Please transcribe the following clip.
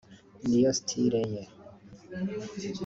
niyo style ye